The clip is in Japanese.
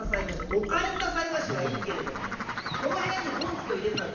「お帰んなさいましはいいけれどもねこの部屋に権助を入れるなと言ったじゃないか。